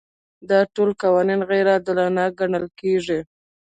دا ټول قوانین غیر عادلانه ګڼل کیږي.